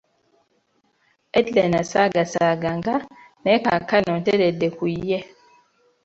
Edda nasagaasagananga naye kaakano nteredde ku ye.